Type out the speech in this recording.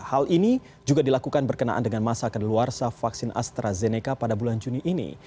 hal ini juga dilakukan berkenaan dengan masa kedeluarsa vaksin astrazeneca pada bulan juni ini